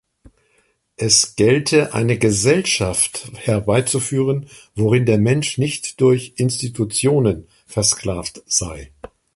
Es gelte eine Gesellschaft herbeizuführen, worin der Mensch nicht durch Institutionen versklavt sei.